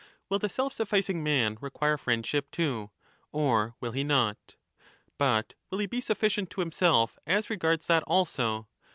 Will the self sufficing man require 25 friendship too ? Or will he not, but will he be sufficient to himself as regards that also